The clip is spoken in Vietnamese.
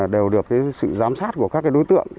đều được sự giám sát của các đối tượng